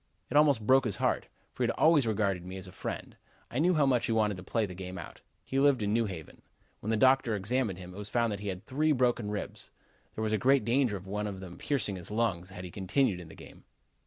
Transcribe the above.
It almost broke his heart, for he had always regarded me as a friend. I knew how much he wanted to play the game out. He lived in New Haven. When the doctor examined him, it was found that he had three broken ribs. There was great danger of one of them piercing his lungs had he continued in the game.